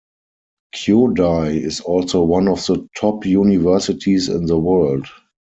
Kyodai is also one of the top universities in the world.